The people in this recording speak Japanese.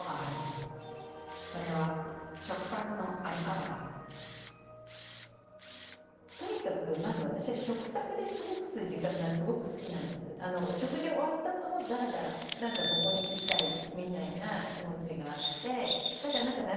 それはとにかくまず私は食事終わったあともだらだら何かここにいたいみたいな気持ちがあって。